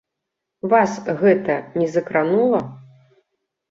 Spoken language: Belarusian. Вас гэта не закранула?